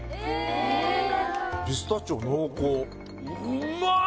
ピスタチオ濃厚。